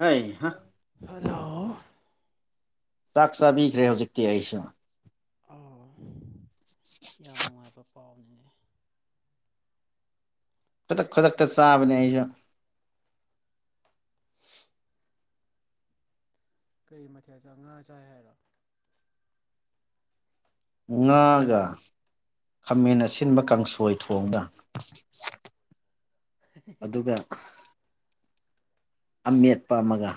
ꯍꯩ ꯍꯥ ꯍꯜꯂꯣ ꯆꯥꯛ ꯆꯥꯕꯤꯈ꯭ꯔꯦ ꯍꯧꯖꯤꯛꯇꯤ ꯑꯩꯁꯨ ꯑꫭ ꯌꯥꯝ ꯅꯨꯡꯉꯥꯏꯕ ꯄꯥꯎꯅꯤꯅꯦ ꯈꯨꯗꯛ ꯈꯨꯗꯛꯇ ꯆꯥꯕꯅꯦ ꯑꯩꯁꯨ ꯀꯔꯤ ꯃꯊꯦꯜ ꯆꯥ, ꯉꯥ ꯆꯥꯏ ꯍꯥꯏꯔꯣ ꯉꯥꯒ ꯈꯥꯃꯦꯟ ꯑꯁꯤꯟꯕ ꯀꯥꯡꯁꯣꯏ ꯊꯣꯡꯕ [unintelligible] ꯑꯗꯨꯒ ꯑꯃꯦꯠꯄ ꯑꯃꯒ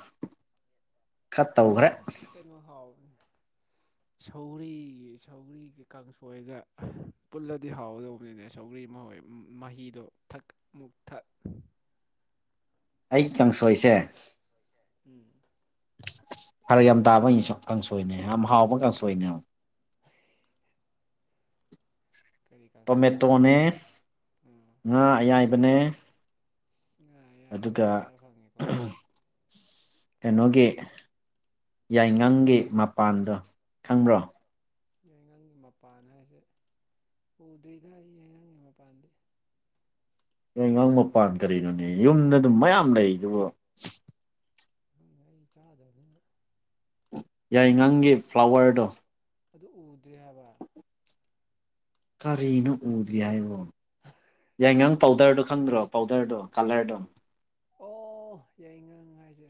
ꯈꯔ ꯇꯧꯒ꯭ꯔꯦ ꯑꯁ ꯀꯩꯅꯣ ꯍꯥꯎꯕꯅꯤ [inaudible] ꯁꯧꯒ꯭ꯔꯤ ꯁꯧꯒ꯭ꯔꯤꯒꯤ ꯀꯥꯡꯁꯣꯏꯒ ꯄꯨꯜꯂꯗꯤ ꯍꯥꯎꯒꯗꯧꯕꯅꯤꯅꯦ ꯁꯧꯒ꯭ꯔꯤ ꯃꯍꯣꯏ ꯃꯍꯤꯗꯣ ꯊꯛ ꯃꯨꯛ ꯊꯛ ꯑꯩ ꯀꯪꯁꯣꯏꯁꯦ ꯎꯝ ꯐꯔꯛ ꯌꯥꯝ ꯇꯥꯕ ꯑꯩꯁꯨ ꯀꯥꯡꯁꯣꯏꯅꯦ ꯌꯥꯝ ꯍꯥꯎꯕ ꯀꯥꯡꯁꯣꯏꯅꯦꯕ ꯀꯔꯤ ꯀꯥꯡꯁꯣꯏꯅꯣ ꯍꯥꯏꯁꯤꯕꯣ ꯇꯣꯃꯦꯇꯣꯅꯦ ꯎꯝ ꯉꯥ ꯑꯌꯥꯏꯕꯅꯦ ꯑꯁ ꯉꯥ ꯑꯌꯥꯏꯕꯒ ꯑꯗꯨꯒ ꯆꯥꯕ ꯐꯪꯉꯤꯀꯣ ꯀꯩꯅꯣꯒꯤ ꯌꯥꯏꯒꯪꯒꯤ ꯃꯄꯥꯟꯗꯣ ꯈꯪꯕ꯭ꯔꯣ ꯌꯥꯏꯒꯪꯒꯤ ꯃꯄꯥꯟ ꯍꯥꯏꯁꯦ ꯎꯗ꯭ꯔꯤꯗ ꯑꯩ ꯌꯥꯏꯒꯪꯒꯤ ꯃꯄꯥꯟꯗꯤ ꯌꯥꯏꯉꯪ ꯃꯄꯥꯟ ꯀꯔꯤꯅꯣꯅꯦ ꯌꯨꯝꯗ ꯑꯗꯨꯝ ꯃꯌꯥꯝ ꯂꯩꯔꯤꯗꯨꯕꯨ ꯉꯥꯔꯤ ꯆꯥꯗꯕꯅꯤꯅ ꯌꯥꯏꯉꯪꯒꯤ ꯐ꯭ꯂꯥꯋꯔꯗꯣ ꯑꯗꯨ ꯎꯗ꯭ꯔꯤ ꯍꯥꯏꯕ ꯀꯔꯤꯅꯣ ꯎꯗ꯭ꯔꯤ ꯍꯥꯏꯕꯣ ꯌꯥꯏꯉꯪ ꯄꯥꯎꯗ꯭ꯔꯗꯣ ꯈꯪꯗ꯭ꯔꯣ ꯄꯥꯎꯗ꯭ꯔꯗꯣ ꯀꯂ꯭ꯔꯗꯣ ꯑꯣ ꯌꯥꯏꯉꯪ ꯍꯥꯏꯁꯦ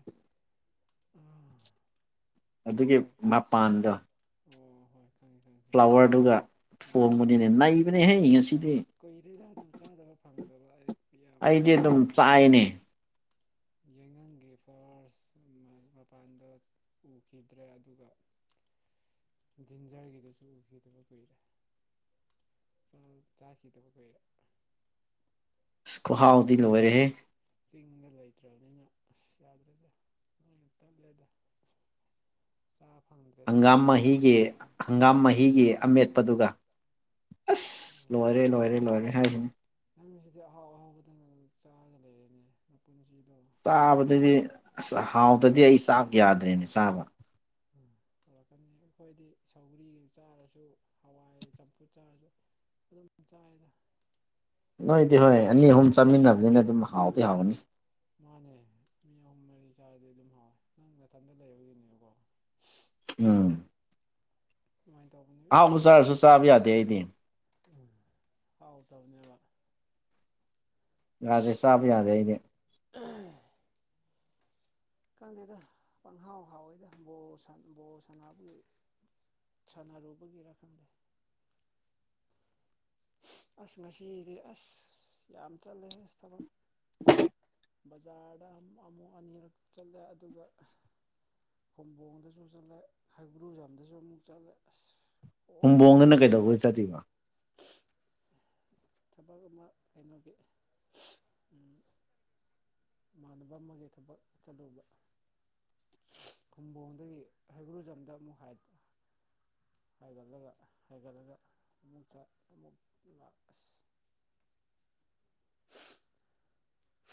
ꯎꯝ ꯑꯗꯨꯒꯤ ꯃꯄꯥꯟꯗꯣ ꯑꯣ ꯍꯣꯏ ꯈꯪꯉꯦ ꯈꯪꯉꯦ ꯈꯪꯉꯦ ꯐ꯭ꯥꯂꯋꯔꯗꯨꯒ ꯎꯝ ꯊꯣꯡꯕꯅꯤꯅꯦ ꯅꯩꯕꯅꯤꯍꯦ ꯉꯁꯤꯗꯤ ꯑꯁ ꯀꯨꯏꯔꯦꯗ ꯑꯗꯨ ꯆꯥꯗꯕ ꯐꯪꯗꯕ ꯑꯩ ꯌꯥꯝ ꯑꯩꯗꯤ ꯑꯗꯨꯝ ꯆꯥꯏꯅꯦ ꯌꯥꯏꯉꯪꯒꯤ ꯐꯥꯋ꯭ꯔꯁ ꯃꯄꯥꯟꯗ ꯎꯈꯤꯗ꯭ꯔꯦ ꯑꯗꯨꯒ ꯖꯤꯟꯖꯔꯒꯤꯗꯨꯁꯨ ꯎꯈꯤꯗꯕ ꯀꯨꯏꯔꯦ ꯆꯥ ꯆꯥꯈꯤꯗꯕ ꯀꯨꯏꯔꯦ ꯈꯨꯍꯥꯎꯗꯤ ꯂꯣꯏꯔꯦꯍꯦ ꯆꯤꯡꯗ ꯂꯩꯇ꯭ꯔꯕꯅꯤꯅ ꯑꯁ ꯌꯥꯗ꯭ꯔꯦꯗ [unintelligible] ꯌꯥꯝ ꯇꯠꯂꯦꯗ ꯆꯥ ꯐꯪꯗꯦ ꯍꯪꯒꯥꯝ ꯃꯍꯤꯒꯤ ꯍꯪꯒꯥꯝ ꯃꯍꯤꯒꯤ ꯑꯃꯦꯠꯄꯗꯨꯒ ꯑꯁ ꯎꯝ ꯂꯣꯏꯔꯦ ꯂꯣꯏꯔꯦ ꯂꯣꯏꯔꯦ ꯍꯥꯏꯁꯤꯅꯤ ꯅꯪꯁꯤꯗꯤ ꯑꯍꯥꯎ ꯑꯍꯥꯎꯕꯗꯪ ꯑꯗꯨꯝ ꯆꯥꯔꯒ ꯂꯩꯔꯦꯅꯦ ꯅꯄꯨꯟꯁꯤꯗꯣ ꯆꯥꯕꯗꯗꯤ ꯑꯁ ꯍꯥꯎꯇ꯭ꯔꯗꯤ ꯑꯩ ꯆꯥꯛ ꯌꯥꯗ꯭ꯔꯦꯅꯦ ꯆꯥꯕ ꯎꯝ ꯇꯧꯔꯛꯀꯅꯤ ꯑꯈꯣꯏꯗꯤ ꯁꯧꯒ꯭ꯔꯤ ꯆꯥꯔꯁꯨ ꯍꯋꯥꯏ ꯆꯝꯐꯨꯠ ꯆꯥꯔꯁꯨ ꯑꯗꯨꯝ ꯆꯥꯔꯦꯗ ꯅꯣꯏꯗꯤ ꯍꯣꯏ ꯑꯅꯤ ꯑꯍꯨꯝ ꯆꯥꯃꯤꯟꯅꯕꯅꯤꯅ ꯑꯗꯨꯝ ꯍꯥꯎꯗꯤ ꯍꯥꯎꯒꯅꯤ ꯃꯥꯅꯦ ꯃꯤ ꯑꯍꯨꯝ ꯃꯔꯤ ꯆꯥꯔꯗꯤ ꯑꯗꯨꯝ ꯍꯥꯎꯋꯦ ꯅꯪ ꯅꯊꯟꯇ ꯂꯩꯕꯒꯤꯅꯤꯀꯣ ꯎꯝ ꯁꯨꯃꯥꯏꯅ ꯇꯧꯕꯅꯦ ꯑꯍꯥꯎꯕ ꯑꯁ ꯆꯥꯔꯁꯨ ꯆꯥꯕ ꯌꯥꯗꯦ ꯑꯩꯗꯤ ꯎꯝ ꯍꯥꯎꯇꯕꯅꯦꯕ ꯌꯥꯗꯦ ꯆꯥꯕ ꯌꯥꯗꯦ ꯑꯩꯗꯤ ꯑꯥ ꯈꯪꯗꯦꯗ ꯄꯪꯍꯥꯎ ꯍꯥꯎꯋꯤꯗ ꯕꯣꯜ ꯁꯥꯟ ꯕꯣꯜ ꯁꯥꯟꯅꯕꯒꯤ ꯁꯥꯟꯅꯔꯨꯕꯒꯤꯔ ꯈꯪꯗꯦ ꯑꯁ ꯉꯁꯤꯒꯤꯗꯤ ꯑꯁ ꯌꯥꯝ ꯆꯠꯂꯦꯍꯦ ꯊꯕꯛ ꯕꯖꯥꯔꯗ ꯑꯝ ꯑꯃꯨꯛ ꯑꯅꯤꯔꯛ ꯆꯠꯂꯦ ꯑꯗꯨꯒ ꯈꯨꯝꯕꯣꯡꯗꯁꯨ ꯆꯠꯂꯦ ꯍꯩꯒ꯭ꯔꯨꯖꯝꯗꯁꯨ ꯑꯃꯨꯛ ꯆꯠꯂꯦ ꯑꯁ ꯍꯣꯏ ꯈꯨꯝꯕꯣꯡꯗꯅ ꯀꯩꯗꯧꯕꯩ ꯆꯠꯂꯤꯕ ꯊꯕꯛ ꯑꯃ ꯀꯩꯅꯣꯒꯤ ꯎꯝ ꯏꯃꯥꯟꯅꯕ ꯑꯃꯒꯤ ꯊꯕꯛ ꯆꯠꯂꯨꯕ ꯈꯨꯝꯕꯣꯡꯗꯒꯤ ꯍꯩꯒ꯭ꯔꯨꯖꯝꯗ ꯑꯃꯨꯛ ꯍꯥꯏ ꯍꯥꯏꯒꯠꯂꯒ ꯍꯥꯏꯒꯠꯂꯒ ꯑꯃꯨꯛ ꯆꯥ ꯑꯃꯨꯛ ꯂꯥꯛ ꯑꯁ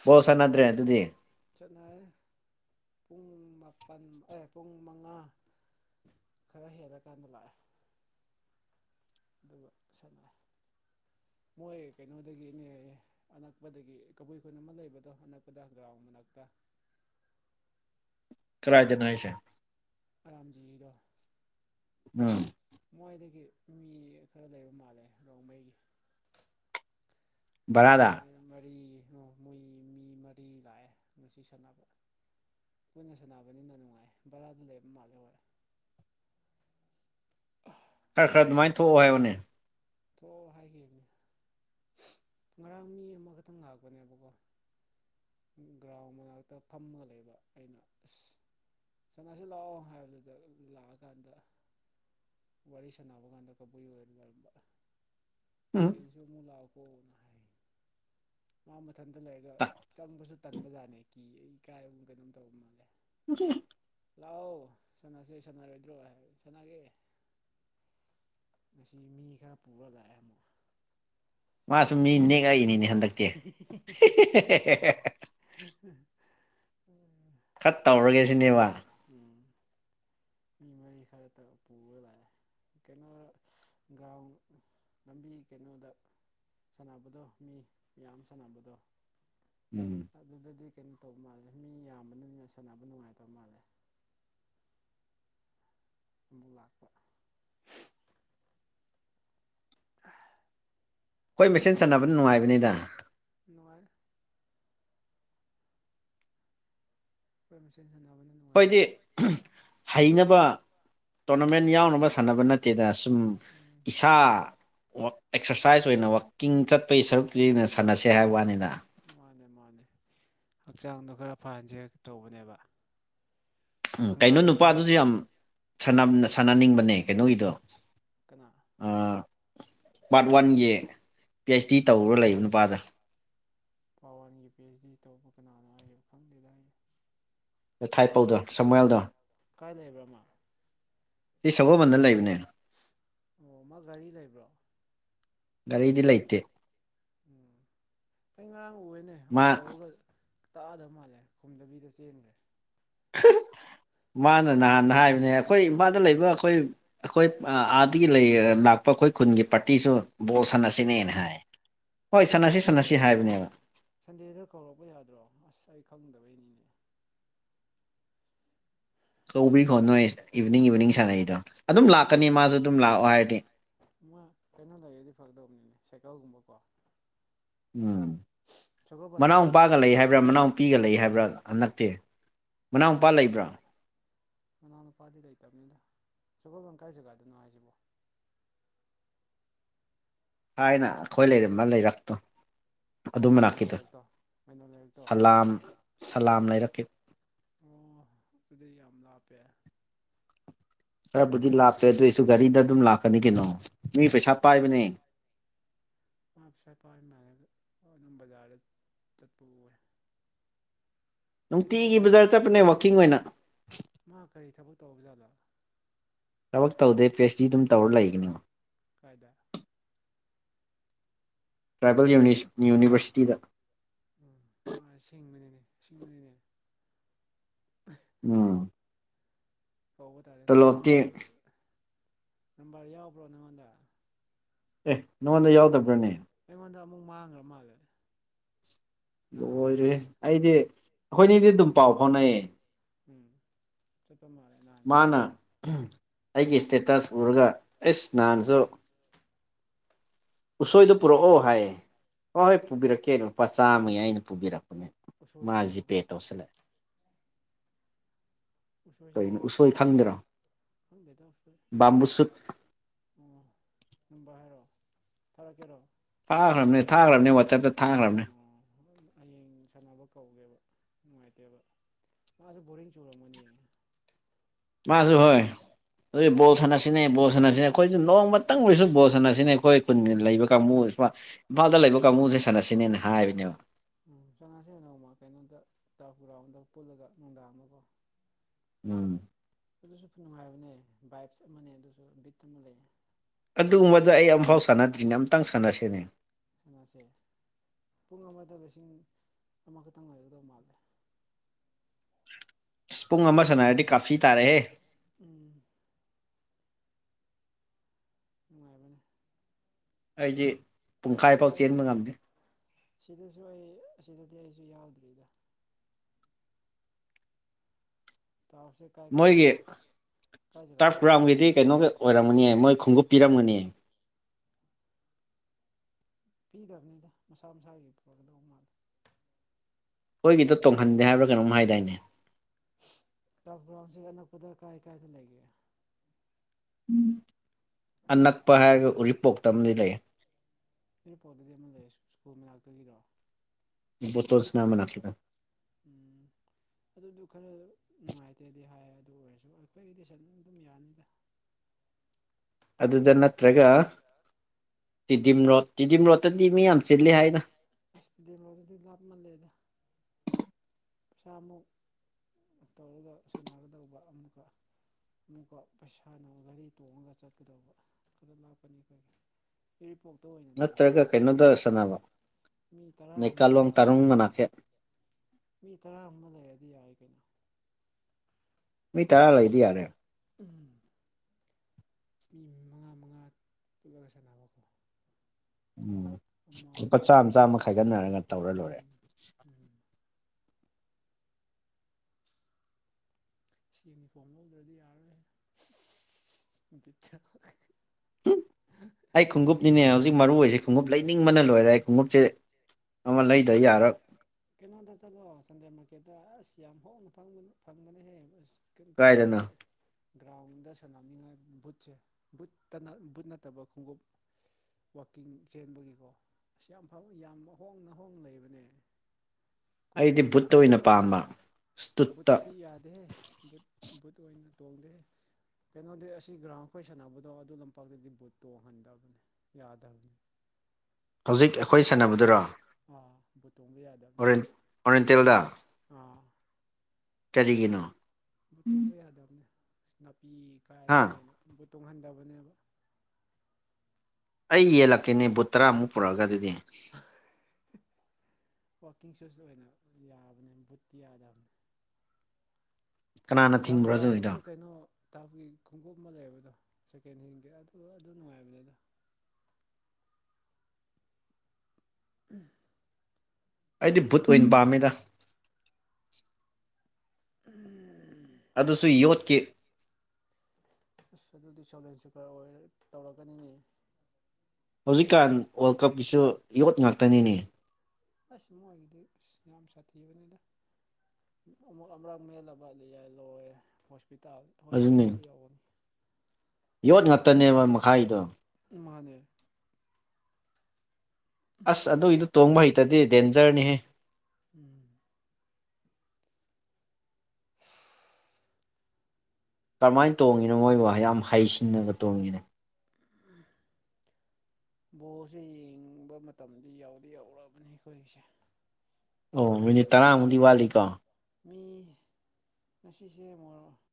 ꯕꯣꯜ ꯁꯥꯟꯅꯗ꯭ꯔꯦ ꯑꯗꯨꯗꯤ ꯆꯠꯅꯩ ꯄꯨꯡ ꯃꯥꯄꯟ ꯑꯦ ꯄꯨꯡ ꯃꯉꯥ ꯈꯔ ꯍꯦꯜꯂꯀꯥꯟꯗ ꯂꯥꯛꯑꯦ ꯑꯗꯨꯒ ꯁꯥꯅꯥꯏ ꯃꯣꯏ ꯀꯩꯅꯣꯗꯒꯤꯅꯦꯌꯦ ꯑꯅꯛꯄꯗꯒꯤ ꯀꯕꯨꯏ ꯈꯨꯟ ꯑꯃ ꯂꯩꯕꯗꯣ ꯑꯅꯛꯄꯗ ꯒ꯭ꯔꯥꯎꯟ ꯃꯅꯥꯛꯇ ꯀꯔꯥꯏꯗꯅꯣ ꯍꯥꯏꯁꯦ ꯑꯔꯥꯝꯖꯤꯗꯣ ꯎꯝ ꯃꯣꯏꯗꯒꯤ ꯃꯤ ꯈꯔ ꯂꯩꯕ ꯃꯥꯜꯂꯦ ꯔꯣꯡꯃꯩꯒꯤ ꯃꯣ ꯃꯣꯏ ꯚꯔꯥꯗ ꯃꯔꯤ ꯃꯣꯏ ꯃꯤ ꯃꯔꯤ ꯂꯥꯛꯑꯦ ꯉꯁꯤ ꯁꯥꯟꯅꯕ ꯄꯨꯟꯅ ꯁꯥꯟꯅꯥꯕꯅꯤꯅ ꯅꯨꯡꯉꯥꯏ ꯕꯔꯥꯗ ꯂꯩꯕ ꯃꯥꯜꯂꯦꯋꯣꯏ ꯈꯔ ꯈꯔ ꯑꯗꯨꯃꯥꯏꯟ ꯊꯣꯛꯑꯣ ꯍꯥꯏꯌꯣꯅꯦ ꯊꯣꯛꯑꯣ ꯍꯥꯏꯈꯤꯕꯅꯦ ꯉꯔꯥꯡ ꯃꯤ ꯑꯃꯈꯛꯇꯪ ꯂꯥꯛꯄꯅꯦꯕꯀꯣ ꯎꯝ ꯒ꯭ꯔꯥꯎꯟ ꯃꯅꯥꯛꯇ ꯐꯝꯃ ꯂꯩꯕ ꯑꯩꯅ ꯑꯁ ꯁꯅꯥꯁꯤ ꯂꯥꯛꯑꯣ ꯍꯥꯏꯕꯗꯨꯗ ꯂꯥꯛꯑꯀꯥꯟꯗ ꯋꯥꯔꯤ ꯁꯥꯟꯅꯕ ꯀꯥꯟꯗ ꯀꯕꯨꯏ ꯑꯣꯏ ꯂꯩꯔꯝꯕ ꯎꯝ ꯍꯌꯦꯡꯁꯨ ꯑꯃꯨꯛ ꯂꯥꯛ ꯑꯣꯅ ꯍꯥꯏ ꯃꯥ ꯃꯊꯟꯇ ꯂꯩꯔꯒ ꯆꯪꯕꯁꯨ ꯇꯟꯕꯖꯥꯠꯅꯤ ꯀꯤ ꯑꯩ ꯏ ꯀꯥꯏ ꯀꯩꯅꯗꯣꯝ ꯇꯧꯕ ꯃꯥꯜꯂꯦ [unintelligible] ꯂꯥꯛꯑꯣ ꯁꯅꯁꯦ ꯁꯥꯟꯅꯔꯣꯏꯗ꯭ꯔꯣ ꯍꯥꯏ ꯁꯥꯟꯅꯒꯦ ꯉꯁꯤ ꯃꯤ ꯈꯔ ꯄꯨꯔ ꯂꯥꯛꯑꯦ ꯑꯃꯨꯛ ꯃꯥꯁꯨ ꯃꯤ ꯅꯦꯛꯂꯛꯏꯅꯤꯅꯦ ꯍꯟꯗꯛꯇꯤ [unintelligible] ꯀꯠ ꯇꯧꯔꯒꯦ ꯁꯤꯅꯦꯕ ꯎꯝ ꯃꯤ ꯃꯔꯤ ꯈꯔꯇ ꯄꯨꯔꯒ ꯂꯥꯛꯑꯦ ꯀꯩꯅꯣ ꯒ꯭ꯔꯥꯎꯟ ꯂꯝꯕꯤ ꯀꯩꯅꯣꯗ ꯁꯥꯟꯅꯕꯗꯣ ꯃꯤ ꯃꯌꯥꯝ ꯁꯥꯟꯅꯕꯗꯣ ꯎꯝ ꯑꯗꯨꯗꯗꯤ ꯀꯩꯅꯣ ꯇꯧꯕ ꯃꯥꯜꯂꯦ ꯃꯤ ꯌꯥꯝꯕꯅꯤꯅꯤꯅ ꯁꯥꯟꯅꯕ ꯅꯨꯡꯉꯥꯏꯇꯕ ꯃꯥꯜꯂꯦ ꯑꯃꯨꯛ ꯂꯥꯛꯄ ꯑ ꯈꯣꯏ ꯃꯁꯦꯟ ꯆꯥꯟꯅꯕꯅ ꯅꯨꯡꯉꯥꯏꯕꯅꯤꯗ ꯅꯨꯡꯉꯥꯏ ꯈꯣꯏ ꯃꯁꯦꯟ ꯁꯥꯟꯅꯕꯅꯤꯅ ꯑꯩꯈꯣꯏꯗꯤ ꯍꯩꯅꯕ ꯇꯣꯔꯅꯃꯦꯟ ꯌꯥꯎꯅꯕ ꯁꯥꯟꯅꯕ ꯅꯠꯇꯦꯗ ꯁꯨꯝ ꯎꯝ ꯏꯁꯥ ꯋꯥꯛ ꯑꯦꯛꯁꯔꯁꯥꯏꯁ ꯑꯣꯏꯅ ꯋꯥꯛꯀꯤꯡ ꯆꯠꯄꯒꯤ ꯁꯔꯨꯛꯇꯨ ꯑꯣꯏꯅ ꯁꯥꯟꯅꯁꯦ ꯍꯥꯏꯕ ꯋꯥꯅꯤꯗ ꯃꯥꯅꯦ ꯃꯥꯅꯦ ꯍꯛꯆꯥꯡꯗꯣ ꯈꯔ ꯐꯍꯟꯁꯦ ꯇꯧꯕꯅꯦꯕ ꯎꯝ ꯀꯩꯅꯣ ꯍꯨꯃꯥꯡꯗꯣ ꯈꯔ ꯅꯨꯄꯥꯗꯨꯁꯨ ꯌꯥꯝ ꯁꯥꯟ ꯁꯥꯟꯅꯅꯤꯡꯕꯅꯦ ꯀꯩꯅꯣꯒꯤꯗꯣ ꯀꯅꯥ ꯑ ꯄꯥꯔꯠ ꯋꯥꯟꯒꯤ ꯄꯤ ꯑꯩꯆ ꯗꯤ ꯇꯧꯔꯨꯔ ꯂꯩꯕ ꯅꯨꯄꯥꯗꯣ ꯄ꯭ꯔꯥꯠ ꯋꯥꯟꯒꯤ ꯄꯤ ꯑꯩꯆ ꯗꯤ ꯇꯧꯕ ꯀꯅꯥꯅꯣ ꯍꯥꯏꯁꯤꯕꯣ ꯈꯪꯗꯦꯗ ꯑꯩ ꯀꯥꯏ ꯂꯩꯕ꯭ꯔꯥ ꯃꯥ [unintelligible] ꯁꯤ ꯁꯒꯣꯜꯕꯟꯗ ꯂꯩꯕꯅꯦ ꯑꯣ ꯃꯥ ꯒꯥꯔꯤ ꯂꯩꯕ꯭ꯔꯣ ꯒꯥꯔꯤꯗꯤ ꯂꯩꯇꯦ ꯎꯝ ꯑꯩ ꯉꯔꯥꯡ ꯎꯏꯅꯦ ꯑꯣ ꯃꯥ ꯀꯧꯔꯒ ꯇꯥꯗꯕ ꯃꯥꯜꯂꯦ ꯈꯨꯝꯗꯕꯤꯗ ꯆꯦꯟꯈ꯭ꯔꯦ ꯃꯥꯅ ꯅꯍꯥꯟ ꯍꯥꯏꯕꯅꯦ ꯑꯩꯈꯣꯏ ꯏꯝꯐꯥꯜꯗ ꯂꯩꯕ ꯑꯩꯈꯣꯏ ꯑꯩꯈꯣꯏ ꯑ ꯑꯥꯗꯒꯤ ꯂꯩ ꯂꯥꯛꯄ ꯑꯩꯈꯣꯏ ꯈꯨꯟꯒꯤ ꯄꯥꯔꯇꯤꯁꯨ ꯕꯣꯜ ꯁꯥ ꯁꯥꯟꯅꯁꯤꯅꯦꯅ ꯍꯥꯏ ꯍꯣꯏ ꯑꯣ ꯁꯥꯟꯅꯁꯤ ꯂꯥꯛꯑꯣ ꯁꯥꯟꯅꯁꯤ ꯍꯥꯏꯕꯅꯦꯕ ꯁꯟꯗꯦꯗ ꯀꯧꯔꯛꯄ ꯌꯥꯗ꯭ꯔꯣ ꯑꯁ ꯑꯩ ꯈꯪꯗꯕꯩꯅꯤꯅꯦ ꯀꯧꯕꯤ ꯈꯣ ꯅꯣꯏ ꯏꯚꯤꯅꯤꯡ ꯏꯚꯤꯅꯤꯡ ꯁꯥꯟꯅꯩꯗꯣ ꯑꯗꯨꯝ ꯂꯥꯛꯀꯅꯤ ꯃꯥꯁꯨ ꯑꯗꯨꯝ ꯂꯥꯛꯑꯣ ꯍꯥꯏꯔꯗꯤ ꯃꯥ ꯀꯩꯅꯣ ꯂꯩꯔꯗꯤ ꯐꯒꯗꯕꯅꯤꯅꯦ ꯁꯥꯏꯀꯜꯒꯨꯝꯕꯀꯣ ꯎꯝ ꯁꯒꯣꯜꯕꯟ ꯃꯅꯥꯎ ꯀꯥꯏ ꯅꯨꯨꯄꯥꯒ ꯂꯩ ꯍꯥꯏꯕ꯭ꯔꯥ ꯃꯅꯥꯎꯅꯨꯄꯤꯒ ꯂꯩ ꯍꯥꯏꯕ꯭ꯔꯥ ꯅꯛꯇꯦ [unintelligible] ꯃꯅꯥꯎꯅꯨꯄꯥꯗꯤ ꯂꯩꯇꯕꯅꯤꯗ ꯁꯒꯣꯜꯕꯟ ꯀꯥꯏ ꯖꯒꯗꯅꯣ ꯍꯥꯏꯁꯤꯕꯣ ꯊꯥꯏꯅ ꯑꯩꯈꯣꯏ ꯂꯩꯔꯝꯕ ꯂꯩꯔꯛꯇꯣ ꯑꯗꯨ ꯃꯩꯅꯣ ꯃꯅꯥꯛꯀꯤꯗꯥ ꯂꯩꯔꯛꯇꯣ ꯃꯩꯅꯣ ꯂꯩꯔꯛꯇꯣ ꯁꯂꯥꯝ ꯁꯂꯥꯝ ꯂꯩꯔꯛꯀꯤ ꯑꯣ ꯑꯗꯨꯗꯤ ꯌꯥꯝ ꯂꯥꯞꯄꯦ ꯈꯔꯕꯨꯗꯤ ꯂꯥꯞꯄꯦ ꯑꯗꯨꯏꯁꯨ ꯒꯥꯔꯤꯗ ꯑꯗꯨꯝ ꯂꯥꯛꯀꯅꯤ ꯀꯩꯅꯣ ꯃꯤ ꯄꯩꯁꯥ ꯄꯥꯏꯕꯅꯦ ꯏꯁ [unintelligible] ꯑꯗꯨꯝ ꯕꯖꯥꯔꯗ ꯆꯠꯄ ꯎꯔꯦ ꯅꯨꯡꯇꯤꯒꯤ ꯇꯧ ꯕꯖꯥꯔ ꯆꯠꯄꯅꯦ ꯋꯥꯛꯀꯤꯡ ꯑꯣꯏꯅ ꯃꯥ ꯀꯔꯤ ꯊꯕꯛ ꯇꯧꯕ ꯖꯥꯠꯂꯣ ꯊꯕꯛ ꯇꯧꯗꯦ ꯄꯤ ꯑꯩꯆ ꯗꯤ ꯑꯗꯨꯝ ꯇꯧꯔꯒ ꯂꯩꯒꯅꯤ ꯃ ꯀꯥꯏꯗ ꯇ꯭ꯔꯥꯏꯕꯦꯜ ꯌꯨꯅꯤ ꯌꯨꯅꯤꯕꯔꯁꯤꯇꯤꯗ ꯎꯝ ꯃꯥ ꯁꯤꯡꯕꯅꯤꯅꯦ ꯁꯤꯡꯕꯅꯤꯅꯦ [unintelligible] ꯎꯝ ꯇꯧꯕ ꯇꯥꯔꯦ ꯇꯣꯂꯣꯞꯇꯤ ꯅꯝꯕꯔ ꯅꯝꯕꯔ ꯌꯥꯎꯕ꯭ꯔꯣ ꯅꯪꯉꯣꯟꯗ꯫ ꯑꯦ ꯅꯉꯣꯟꯗ ꯌꯥꯎꯗꯕ꯭ꯔꯅꯦ꯫ ꯑꯩꯉꯣꯟꯗ ꯑꯃꯨꯛ ꯃꯥꯡꯈ꯭ꯔ ꯃꯥꯜꯂꯦ꯫ ꯅꯍꯥꯟ ꯂꯣꯏꯔꯦꯍꯦ ꯂꯩꯔꯝꯕꯅꯦ ꯑꯩꯗꯤ ꯑꯩꯈꯣꯏꯅꯤꯗꯤ ꯑꯗꯨꯝ ꯄꯥꯎ ꯐꯥꯎꯅꯩ꯫ ꯎꯝ ꯆꯥꯠꯄ ꯃꯥꯜꯂꯦ꯫ ꯅꯍꯥꯟꯁꯨ ꯃꯥꯅ ꯑꯩꯒꯤ ꯏꯁꯇꯦꯇꯁ ꯎꯔꯒ ꯑꯦꯁ ꯅꯍꯥꯟꯁꯨ꯫ ꯎꯁꯣꯏꯗꯨ ꯄꯨꯔꯛꯑꯣ ꯍꯥꯏꯌꯦ꯫ ꯍꯣꯏ ꯍꯣꯏ ꯄꯨꯕꯤꯔꯛꯀꯦ ꯂꯨꯄꯥ ꯆꯥꯝꯃꯒꯤ ꯑꯩꯅ ꯄꯨꯕꯤꯔꯛꯄꯅꯦ ꯃꯥ ꯎꯁꯣꯏꯁꯤ ꯀꯩꯅꯣ ꯖꯤꯄꯦ ꯇꯧꯁꯤꯜꯂꯛꯑꯦ꯫ ꯎꯁꯥꯏꯁꯨ ꯀꯩꯅꯣ ꯀꯩꯅꯧ ꯎꯁꯣꯏ ꯈꯪꯗ꯭ꯔꯣ ꯈꯪꯗꯦꯗ ꯎꯁꯨꯏ ꯕꯥꯝꯕꯨ ꯁꯨꯠ ꯑꯣ ꯑꯗꯨꯝꯕ ꯍꯥꯏꯔꯛꯑꯣ ꯊꯥꯔꯛꯀꯦꯔꯣ꯫ ꯊꯥꯈ꯭ꯔꯕꯅꯦ ꯊꯥꯈ꯭ꯔꯕꯅꯦ ꯋꯥꯆꯦꯞꯇ ꯊꯥꯈ꯭ꯔꯕꯅꯦ꯫ ꯑꯣ ꯍꯌꯦꯡ ꯁꯥꯟꯅꯕ ꯀꯧꯒꯦꯕ ꯅꯨꯡꯉꯥꯏꯇꯦꯕ ꯃꯥꯁꯨ ꯕꯣꯔꯤꯡ ꯆꯨꯔꯝꯃꯅꯤ꯫ ꯃꯥꯁꯨ ꯍꯣꯏ ꯑꯗꯨ ꯕꯣꯜ ꯁꯥꯟꯁꯤꯅꯦ ꯕꯣꯜ ꯁꯥꯟꯅꯁꯤ ꯑꯩꯈꯣꯏꯁꯨ ꯅꯣꯡꯃꯇꯪ ꯑꯣꯏꯔꯁꯨ ꯕꯣꯠꯁꯟꯁꯤꯅꯦ ꯑꯩꯈꯣꯏ ꯀꯨꯟ ꯂꯩꯕ ꯀꯥꯡꯕꯨ꯫ ꯏꯝꯐꯥꯜꯗ ꯂꯩꯕ ꯀꯥꯡꯕꯨꯁꯦ ꯁꯥꯟꯅꯁꯤꯅꯦꯅ ꯍꯥꯏꯕꯅꯦꯕ꯫ ꯎꯝ ꯆꯅꯥꯁꯦ ꯅꯣꯡꯃ ꯀꯩꯅꯣꯗ ꯇꯔꯄ ꯔꯥꯎꯟꯗ ꯄꯨꯜꯂꯒ ꯅꯨꯡꯗꯥꯡ ꯑꯃꯀꯣ꯫ ꯎꯝ꯫ ꯑꯗꯨꯁꯨ ꯐꯅ ꯅꯨꯡꯉꯥꯏꯕꯅꯦ ꯕꯥꯏꯞꯁ ꯑꯃꯅꯦ ꯑꯗꯨꯁꯨ ꯕꯤꯠ ꯑꯃ ꯂꯩ꯫ ꯑꯗꯨꯒꯨꯝꯕꯗ ꯑꯩ ꯑꯃꯝꯐꯥꯎ ꯁꯥꯟꯅꯗ꯭ꯔꯤꯅꯦ ꯑꯝꯇꯪ ꯁꯥꯟꯅꯁꯦꯅꯦ꯫ ꯀꯩꯅꯁꯦ ꯄꯨꯡ ꯑꯃꯗ ꯂꯤꯁꯤꯡ ꯑꯃꯈꯛꯇꯪ ꯑꯣꯏꯒꯗꯧ ꯃꯥꯜꯂꯦ꯫ ꯏꯁ ꯄꯨꯡ ꯑꯃ ꯁꯥꯟꯅꯔꯗꯤ꯫ ꯀꯥꯐꯤ ꯇꯥꯔꯦ꯫ ꯇꯔꯦꯍꯦ ꯎꯝ꯫ ꯅꯨꯡꯉꯥꯏꯕꯅꯦ꯫ ꯍꯥꯏꯗꯤ꯫ ꯁꯤꯗ ꯑꯩꯁ ꯁꯤꯗꯁꯨ ꯑꯩ ꯁꯤꯗꯗꯤ ꯑꯩꯁꯨ ꯌꯥꯎꯗ꯭ꯔꯤꯗ꯫ ꯇꯥꯔꯦꯎꯁꯦ ꯀꯥꯏ ꯀꯥꯏꯗ ꯃꯣꯏꯒꯤ ꯃꯣꯒꯤꯇꯥꯔꯞ ꯀꯥꯏꯁꯦ ꯀꯥꯏꯗ ꯇꯔꯐ ꯐꯔ ꯄꯤꯔꯝꯒꯅꯤꯌꯦ꯫ ꯄꯤꯗꯕꯅꯤꯗ ꯃꯁꯥ ꯃꯁꯥꯒꯤ ꯄꯨꯔꯛꯒꯗꯧꯕ ꯃꯥꯜꯂꯦ꯫ ꯍꯣꯏꯒꯤꯗꯣ ꯇꯣꯡꯍꯟꯗꯦ ꯍꯥꯏꯕꯥ ꯀꯩꯅꯣꯝ ꯍꯥꯏꯗꯥꯏꯅꯦ꯫ ꯇꯔ꯭ꯞꯒ꯭ꯔꯥꯎꯟꯁꯤ ꯑꯅꯄꯗ ꯀꯥꯏ ꯀꯥꯏ ꯗ ꯂꯩꯒꯦ꯫ ꯑꯅꯛꯄ ꯍꯥꯏꯔꯒ ꯎꯔꯤꯄꯣꯛꯇ ꯑꯃꯗꯤ ꯂꯩ꯫ ꯑꯨꯔꯤꯄꯣꯛꯇꯗꯗꯤ ꯑꯃ ꯂꯩꯔ ꯁ꯭ꯀꯨꯜ ꯃꯅꯥꯛꯇꯒꯤꯔꯣ꯫ ꯏꯕꯣꯇꯣꯜ ꯁꯥꯅ ꯃꯥꯅꯛꯀꯤꯗ꯫ ꯎꯝ꯫ ꯑꯗꯨꯗꯨ ꯈꯔ ꯅꯨꯡꯉꯥꯏꯇꯦꯗꯤ ꯍꯥꯏ ꯑꯗꯨ ꯑꯣꯏꯔꯁꯨ ꯀꯔꯤꯒꯤꯗꯤ ꯁꯟ ꯑꯗꯨꯝ ꯌꯥꯅꯤꯗ꯫ ꯑꯗꯨꯗ ꯅꯠꯇ꯭ꯔꯒ ꯇꯤꯗꯤꯝ ꯔꯣꯠ꯫ ꯇꯤꯗꯤꯝ ꯔꯣꯠꯇꯗꯤ ꯃꯤ ꯌꯥꯝ ꯆꯤꯜꯂꯤ ꯍꯥꯏꯗ ꯑꯁ ꯇꯤꯗꯤꯝ ꯔꯣꯠꯇꯗꯤ ꯂꯞ ꯃꯥꯜꯂꯦꯗ꯫ ꯄꯩꯁꯥꯃꯨꯛ ꯇꯧꯔꯒ ꯁꯥꯟꯅꯒꯗꯧꯕ ꯑꯃꯨꯛꯀ꯫ ꯑꯃꯨꯛꯀ ꯄꯩꯁꯥꯅ ꯒꯥꯔꯤ ꯇꯣꯡꯉꯒ ꯆꯠꯀꯗꯧꯕ ꯈꯔ ꯂꯥꯛꯄꯅꯤ ꯑꯩꯈꯣꯏꯒꯤ꯫ ꯏꯔꯤꯄꯣꯛꯇ ꯑꯣꯏꯅ ꯅꯠꯇ꯭ꯔꯒ ꯇꯧꯔꯁꯤꯗ ꯀꯩꯅꯣꯗ ꯁꯥꯟꯅꯕ ꯃꯤ ꯇꯔꯥ ꯑꯃ ꯅꯩꯀꯥꯂꯣꯡ ꯌꯥꯂꯦ ꯇꯥꯔꯨꯡ ꯃꯅꯥꯛꯁꯦ ꯃꯤ ꯇꯔꯥ ꯑꯃꯨꯝ ꯂꯩꯔꯗꯤ ꯌꯥꯏ ꯀꯩꯅꯣ꯫ ꯃꯤ ꯇꯔꯥ ꯂꯩꯗꯤ ꯌꯥꯔꯦ꯫ ꯎꯝ꯫ ꯃꯤ ꯃꯉꯥ ꯃꯉꯥ ꯄꯨꯜꯂꯒ ꯁꯥꯟꯅꯕꯀꯣ꯫ ꯎꯝ ꯑꯃ ꯂꯨꯄꯥ ꯑꯅꯤ ꯆꯥꯝ ꯑꯍꯨꯝ ꯆꯥꯃ ꯈꯥꯏꯒꯠꯅꯔꯒ ꯇꯧꯔ ꯂꯣꯏꯔꯦ ꯎꯝ ꯎꯝ ꯁꯤ ꯌꯨꯅꯤꯐꯣꯝ ꯂꯧꯗ꯭ꯔꯗꯤ ꯌꯥꯔꯔꯣꯏꯍꯦ ꯁꯨꯝ ꯕꯤꯠꯇ ꯑꯩ ꯈꯣꯡꯎꯞꯅꯤꯅꯦ ꯍꯧꯖꯤꯛ ꯃꯔꯨ ꯑꯣꯏꯔꯤꯁꯤ ꯈꯣꯡꯎꯞ ꯂꯩꯅꯤꯡꯕꯅ ꯂꯣꯏꯔꯦ ꯑꯩ ꯈꯣꯡꯎꯞꯁꯦ ꯑꯃ ꯂꯩꯗ ꯌꯥꯔꯔꯣꯏ ꯀꯩꯅꯣꯗ ꯆꯠꯂꯣ ꯁꯟꯗꯦ ꯃꯥꯔꯀꯦꯠꯇ ꯑꯁ ꯌꯥꯝ ꯍꯣꯡꯅ ꯐꯪꯕꯅꯦꯍꯦ ꯑꯁ ꯀꯔꯤꯝ ꯇꯥꯥꯕ ꯀꯥꯏꯗꯅꯣ ꯅꯨꯡꯉꯥꯏꯇꯦ ꯒ꯭ꯔꯥꯎꯟꯗ ꯁꯥꯟꯅꯅꯤꯡꯉꯥꯏ ꯕꯨꯠꯁꯦ ꯕꯨꯠꯇ ꯕꯨꯠ ꯅꯠꯇꯕ ꯈꯣꯡꯎꯞ ꯋꯥꯛꯀꯤꯡ ꯆꯦꯟꯕꯒꯤꯀꯣ ꯑꯁ ꯌꯥꯝ ꯐꯕ ꯌꯥꯝ ꯍꯣꯡꯅ ꯍꯣꯡꯅ ꯂꯩꯕꯅꯦ ꯑꯩꯗꯤ ꯀ꯭ꯋꯥꯂꯤꯇꯤ ꯌꯥꯝ ꯕꯨꯠꯇ ꯑꯣꯏꯅ ꯐꯕ ꯄꯥꯝꯕ ꯑꯣꯔꯤꯖꯤꯅꯦꯜ ꯏꯁꯇꯨꯠꯇ ꯕꯨꯠꯇꯤ ꯌꯥꯗꯦꯍꯦ ꯕꯨꯠ ꯕꯨꯠ ꯑꯣꯏꯅ ꯇꯣꯡꯗꯦꯍꯦ ꯀꯩꯅꯣꯗꯤ ꯑꯁꯤ ꯒ꯭ꯔꯥꯎꯟ ꯑꯩꯈꯣꯏ ꯁꯥꯟꯅꯕꯗꯣ ꯑꯗꯨ ꯂꯝꯄꯥꯛꯇꯗꯤ ꯕꯨꯠ ꯇꯣꯡꯍꯟꯗꯕꯅꯤ ꯌꯥꯗꯕꯅꯤ ꯍꯧꯖꯤꯛ ꯑꯩꯈꯣꯏ ꯁꯥꯟꯅꯕꯗꯨꯔꯣ ꯑꯥ ꯕꯨꯠꯇꯣꯡꯕ ꯌꯥꯗꯕꯅꯤ ꯑꯣꯔꯦꯟ ꯑꯣꯔꯦꯟꯇꯦꯜꯗ ꯑꯥ ꯀꯔꯤꯒꯤꯅꯣ ꯕꯨꯠ ꯇꯣꯡꯕ ꯌꯥꯗꯕꯅꯦ ꯑꯁ ꯅꯥꯄꯤ ꯍꯥ ꯀꯥꯏꯒꯅꯤꯅ ꯕꯨꯠ ꯇꯣꯡꯍꯟꯗꯕꯅꯦꯕ ꯑꯩ ꯌꯦꯜꯂꯛꯀꯦꯅꯦ ꯕꯨꯠ ꯇꯔꯥꯃꯨꯛ ꯄꯨꯔꯛꯑꯒ ꯑꯗꯨꯗꯤ ꯋꯥꯛꯀꯤꯡ ꯁꯨꯁ ꯑꯣꯏꯅ ꯌꯥꯕꯅꯦ ꯕꯨꯠꯇꯤ ꯌꯥꯗꯕꯅꯦ ꯀꯅꯥꯅ ꯇꯐ ꯊꯤꯡꯕ꯭ꯔꯣ ꯑꯗꯨꯒꯤꯗꯣ ꯒ꯭ꯔꯥꯎꯟꯗꯁꯨ ꯀꯩꯅꯣ ꯇꯥꯞꯒꯤ ꯈꯣꯡꯎꯞ ꯑꯃ ꯂꯩꯕꯗꯣ ꯁꯦꯀꯦꯟ ꯍꯦꯟꯒꯤ ꯑꯗꯨ ꯑꯗꯨ ꯅꯨꯡꯉꯥꯏꯕꯅꯤꯗ ꯎꯝ ꯑꯩꯗꯤ ꯕꯨꯠ ꯑꯣꯏꯅ ꯄꯥꯝꯃꯤꯗ ꯎꯝ ꯑꯗꯨꯁꯨ ꯌꯣꯠꯀꯤ ꯑꯁ ꯑꯗꯨꯗꯤ ꯆꯣꯂꯦꯟꯁꯨꯀꯔ ꯑꯣꯏꯅ ꯇꯧꯔꯛꯀꯅꯤꯅꯦ ꯍꯧꯖꯤꯛꯀꯥꯟ ꯋꯥꯔꯜ ꯀꯞꯀꯤꯁꯨ ꯌꯣꯠ ꯉꯥꯛꯇꯅꯤꯅꯦ ꯑꯁ ꯃꯣꯏꯒꯤꯗꯤ ꯌꯥꯝ ꯁꯥꯊꯤꯕꯅꯤꯗ ꯑꯃꯨꯛ ꯑꯃꯔꯛ ꯃꯦꯜꯂꯕ ꯂꯣꯏꯔꯦ ꯍꯣꯁꯄꯤꯇꯥꯜ ꯑꯗꯨꯅꯤ ꯍꯣꯁꯄꯤꯇꯥꯜꯗ ꯌꯧꯔꯅꯤ ꯌꯣꯠ ꯉꯥꯛꯇꯅꯦꯕ ꯃꯈꯥꯒꯤꯗꯣ ꯃꯥꯅꯦ ꯑꯁ ꯑꯗꯨꯒꯤꯗꯨ ꯇꯣꯡꯕ ꯍꯩꯇꯗꯤ ꯗꯦꯟꯖꯔꯅꯤꯍꯦ ꯎꯝ ꯀꯔꯝꯍꯥꯏꯅ ꯇꯣꯡꯉꯤꯅꯣ ꯃꯣꯏꯕꯣ ꯌꯥꯝ ꯍꯩꯁꯤꯡꯅꯒ ꯇꯣꯡꯉꯤꯅꯦ ꯑꯥ ꯕꯣꯜꯁꯦ ꯌꯦꯡꯕ ꯃꯇꯝꯗꯤ ꯌꯧꯗꯤ ꯌꯥꯎꯔꯛꯑꯕꯅꯤ ꯑꯩꯈꯣꯏꯒꯤꯁꯦ ꯑꯣ ꯃꯤꯅꯤꯠ ꯇꯔꯥꯃꯨꯛꯇꯤ ꯋꯥꯠꯂꯤꯀꯣ ꯃꯤ ꯑꯁꯤꯁꯦ ꯃꯣꯔ